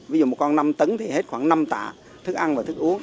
ví dụ một con năm tấn thì hết khoảng năm tạ thức ăn và thức uống